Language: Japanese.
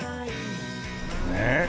ねえ。